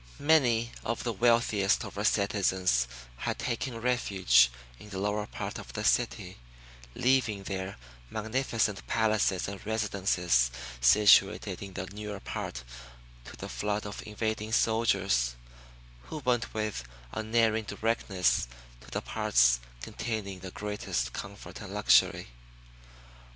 Many of the wealthiest of her citizens had taken refuge in the lower part of the city, leaving their magnificent palaces and residences situated in the newer part to the flood of invading soldiers, who went with unerring directness to the parts containing the greatest comfort and luxury.